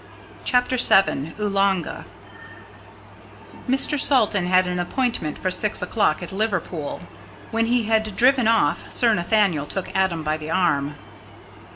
CHAPTER VII OOLANGA Mr. Salton had an appointment for six o'clock at Liverpool. When he had driven off, Sir Nathaniel took Adam by the arm.